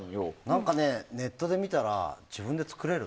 何かね、ネットで見たら自分で作れる。